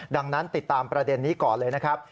ดังนั้นติดตามประเด็นนี้ก่อนเลยนะครับ